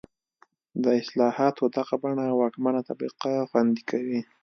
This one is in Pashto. د اصلاحاتو دغه بڼه واکمنه طبقه خوندي کوي.